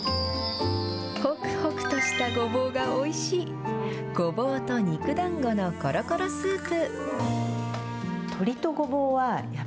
ほくほくとしたごぼうがおいしい、ごぼうと肉だんごのコロコロスープ。